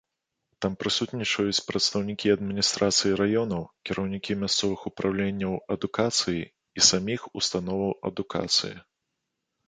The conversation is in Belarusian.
Там прысутнічаюць прадстаўнікі адміністрацый раёнаў, кіраўнікі мясцовых упраўленняў адукацыі і саміх установаў адукацыі.